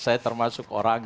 saya termasuk orang